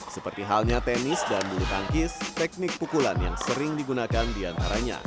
seperti halnya tenis dan bulu tangkis teknik pukulan yang sering digunakan diantaranya